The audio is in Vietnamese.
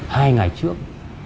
hai ngày trước